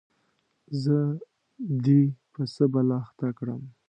زه دي په څه بلا اخته کړم ؟